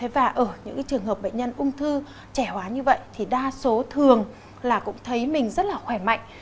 và ở những trường hợp bệnh nhân ung thư trẻ hóa như vậy thì đa số thường là cũng thấy mình rất là khỏe mạnh